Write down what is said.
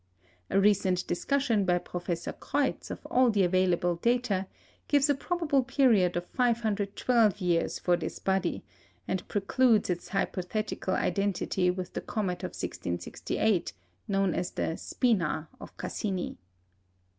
A recent discussion by Professor Kreutz of all the available data gives a probable period of 512 years for this body, and precludes its hypothetical identity with the comet of 1668, known as the "Spina" of Cassini.